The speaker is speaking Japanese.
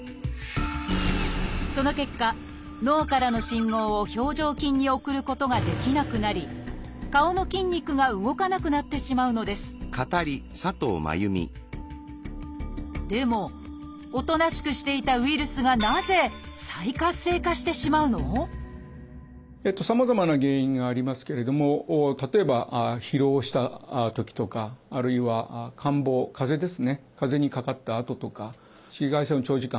その結果脳からの信号を表情筋に送ることができなくなり顔の筋肉が動かなくなってしまうのですでもおとなしくしていたウイルスがさまざまな原因がありますけれども例えばそういったときに起こるとされています。